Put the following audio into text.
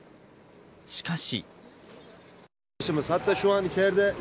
しかし。